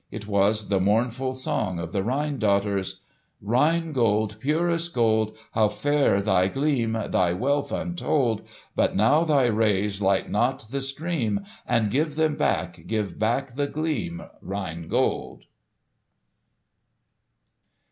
It was the mournful song of the Rhine Daughters: "Rhine Gold! purest Gold! How fair thy gleam, Thy wealth untold! But now thy rays Light not the stream; Ah! give them back— Give back the gleam, Rhine Gold!"